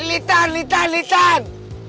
litan litan litan